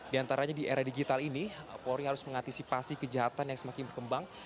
di antaranya di era digital ini polri harus mengantisipasi kejahatan yang semakin berkembang